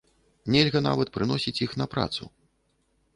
Нельга нават прыносіць іх на працу.